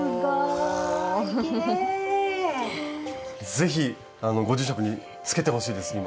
ぜひご住職につけてほしいです今。